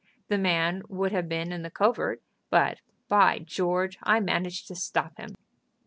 The man would have been in the covert, but, by George! I managed to stop him."